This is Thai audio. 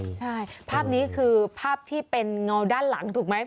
ใช่ภาพนี้คือภาพที่เป็นเงาด้านหลังถูกไหม